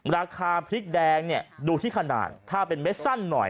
ราคาพริกแดงเนี่ยดูที่ขนาดถ้าเป็นเม็ดสั้นหน่อย